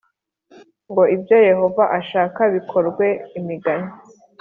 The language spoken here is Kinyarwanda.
ngo ibyo Yehova ashaka bikorwe Imigani